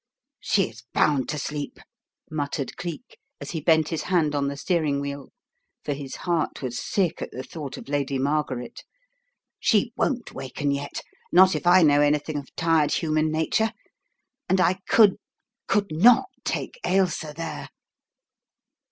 "She is bound to sleep," muttered Cleek, as he bent his hand on the steering wheel, for his heart was sick at the thought of Lady Margaret. "She won't waken yet; not if I know anything of tired human nature. And I could — could not take Ailsa there!"